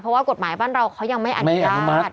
เพราะว่ากฎหมายบ้านเราเขายังไม่อนุญาต